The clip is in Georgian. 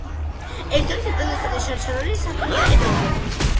ერთ-ერთი პილასტრი შერჩენილია სამხრეთ კედელზე.